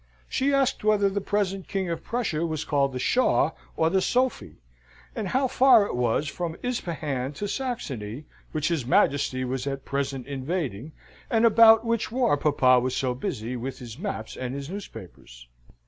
She asked whether the present King of Prussia was called the Shaw or the Sophy, and how far it was from Ispahan to Saxony, which his Majesty was at present invading, and about which war papa was so busy with his maps and his newspapers?